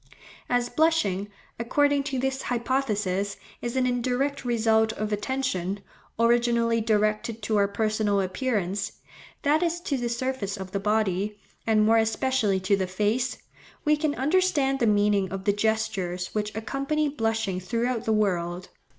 As blushing, according to this hypothesis, is an indirect result of attention, originally directed to our personal appearance, that is to the surface of the body, and more especially to the face, we can understand the meaning of the gestures which accompany blushing throughout the world.